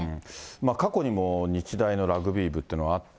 過去にも日大のラグビー部というのはあって。